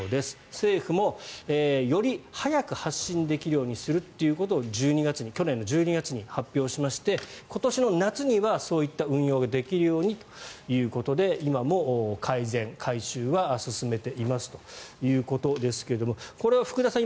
政府もより早く発信できるようにするということを去年の１２月に発表しまして今年の夏にはそういった運用ができるようにということで今も改善、改修は進めていますということですがこれは福田さん